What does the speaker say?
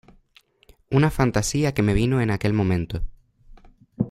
una fantasía que me vino en aquel momento.